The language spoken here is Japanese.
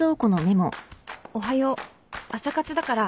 「おはよう。朝活だから先行くね」